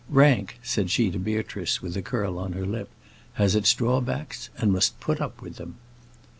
"Rank," said she to Beatrice, with a curl on her lip, "has its drawbacks and must put up with them."